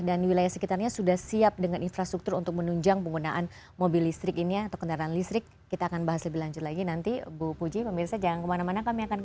dan wilayah sekitarnya sudah siap dengan infrastruktur untuk menunjang penggunaan mobil listrik ini ya